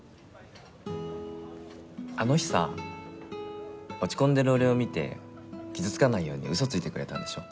あの日さ落ち込んでる俺を見て傷つかないように嘘ついてくれたんでしょ？